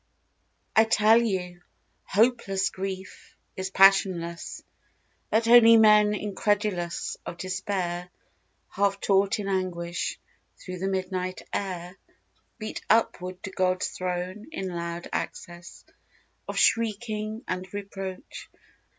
T TELL you, hopeless grief is passionless — That only men incredulous of despair, Half taught in anguish, through the midnight air Beat upward to God's throne in loud access Of shrieking and reproach.